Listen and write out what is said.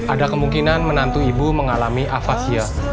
ada kemungkinan menantu ibu mengalami avasia